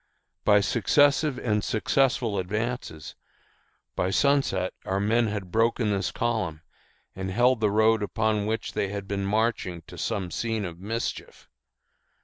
By successive and successful advances, by sunset our men had broken this column and held the road upon which they had been marching to some scene of mischief.